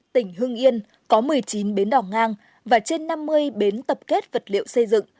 tỉnh hưng yên có một mươi chín bến đỏ ngang và trên năm mươi bến tập kết vật liệu xây dựng